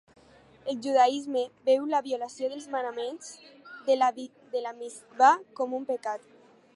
El judaisme veu la violació dels manaments de la mitsvà com un pecat.